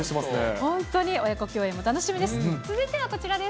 本当に、親子共演も楽しみです。